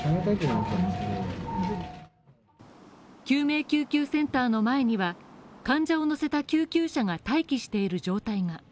救命救急センターの前には、患者を乗せた救急車が待機している状態が。